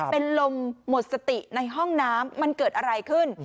เป็นลมหมดสติในห้องน้ำมันเกิดอะไรขึ้น